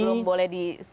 pasti belum boleh di